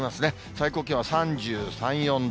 最高気温は３３、４度。